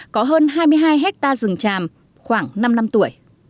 có hơn hai mươi hai hectare rừng tràm khoảng năm năm tuổi